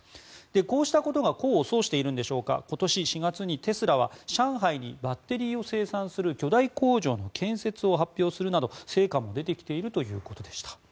こうしたことが功を奏しているんでしょうか今年４月にテスラは上海にバッテリーを生産する巨大工場の建設を発表するなど成果も出てきているということでした。